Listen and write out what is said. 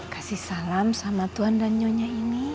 kasih salam sama tuhan dan nyonya ini